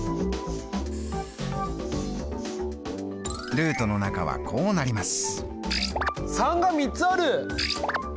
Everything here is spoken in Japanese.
ルートの中はこうなります。